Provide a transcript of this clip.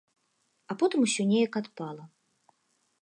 А потым усё неяк адпала.